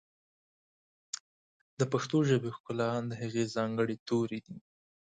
د پښتو ژبې ښکلا د هغې ځانګړي توري دي.